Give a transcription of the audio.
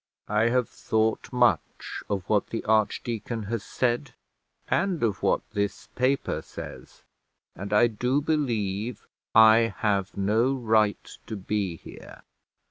"I have thought much of what the archdeacon has said, and of what this paper says; and I do believe I have no right to be here."